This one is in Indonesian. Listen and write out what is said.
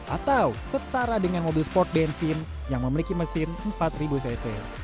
atau setara dengan mobil sport bensin yang memiliki mesin empat cc